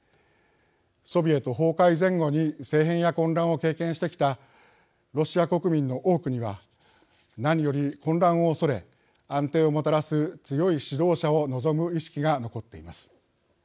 ソビエト崩壊前後に政変や混乱を経験してきたロシア国民の多くには何より混乱をおそれ安定をもたらす強い指導者を望む意識が残っています。